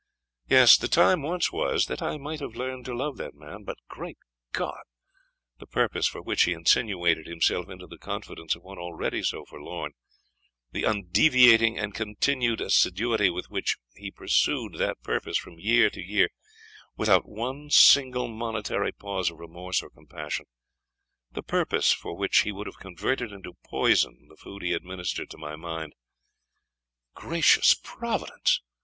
Yes! the time once was that I might have learned to love that man But, great God! the purpose for which he insinuated himself into the confidence of one already so forlorn the undeviating and continued assiduity with which he pursued that purpose from year to year, without one single momentary pause of remorse or compassion the purpose for which he would have converted into poison the food he administered to my mind Gracious Providence!